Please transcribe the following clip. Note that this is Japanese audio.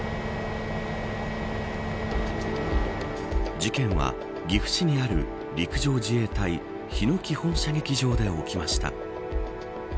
事件は岐阜市にある陸上自衛隊日野基本射撃場で起きました。